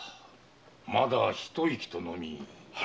「まだ一息」とのみ。